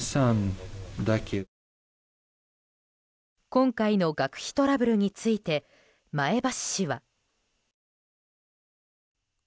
今回の学費トラブルについて前橋市は。